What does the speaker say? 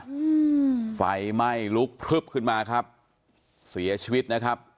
อืมไฟไหม้ลุกพลึบขึ้นมาครับเสียชีวิตนะครับ